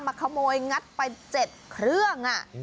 มาขโมยงัดเป็น๗เครื่องอ่ะ